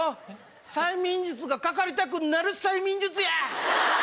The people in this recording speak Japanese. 催眠術がかかりたくなる催眠術や！